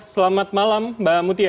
selamat malam mbak mutia